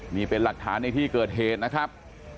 นี่เป็นหลักฐานในที่เกิดเหตุนะครับ